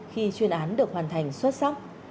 khi chuyên án được hoàn thành xuất sắc